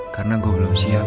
karena gue belum siap